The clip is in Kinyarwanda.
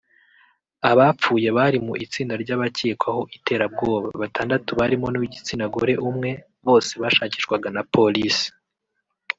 Abapfuye bari mu itsinda ry’abakwekwaho iterabwoba batandatu barimo n’uw’igitsinagore umwe bose bashakishwaga na Polisi